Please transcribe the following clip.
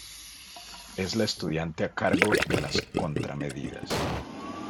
Es la estudiante a cargo de las contramedidas.